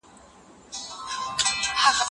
استاد یوازې لارښوونه کوي او بس.